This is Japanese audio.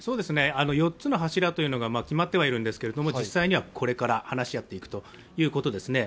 ４つの柱が決まってはいるんですけれども、実際にはこれから話し合っていくということですね。